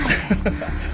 ハハハハ。